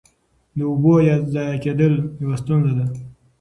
د اوبو ضایع کېدل یوه ستونزه ده.